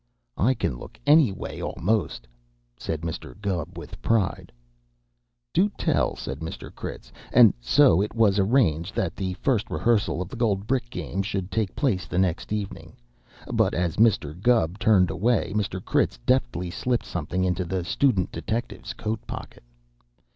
"I can look anyway a'most," said Mr. Gubb with pride. "Do tell!" said Mr. Critz, and so it was arranged that the first rehearsal of the gold brick game should take place the next evening, but as Mr. Gubb turned away Mr. Critz deftly slipped something into the student detective's coat pocket.